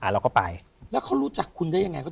เราก็ไปแล้วเขารู้จักคุณได้ยังไง